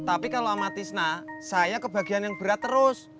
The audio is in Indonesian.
tapi kalau sama tisna saya kebagian yang berat terus